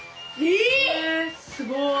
えすごい！